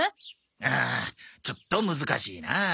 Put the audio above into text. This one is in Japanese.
ああちょっと難しいなあ。